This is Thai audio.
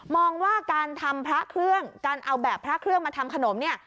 มองว่าการทำพระเครื่องการเอาแบบพระเครื่องมาทำขนมเนี่ย